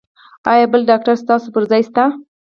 ایا بل ډاکټر ستاسو پر ځای شته؟